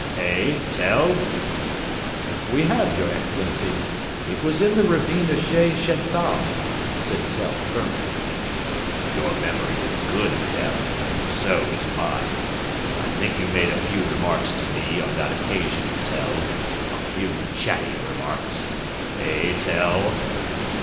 Eh, Tell?" "We have, your Excellency. It was in the ravine of Schächenthal," said Tell firmly. "Your memory is good, Tell. So is mine. I think you made a few remarks to me on that occasion, Tell a few chatty remarks? Eh, Tell?"